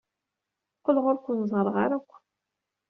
Qqleɣ ur ken-ẓerreɣ ara akk.